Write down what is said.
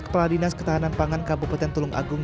kepala dinas ketahanan pangan kabupaten tulung agung